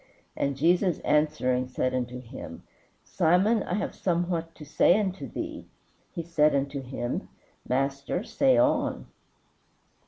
And Jesus answering said unto him, Simon, I have somewhat to say unto thee. He said unto him, Master, say on.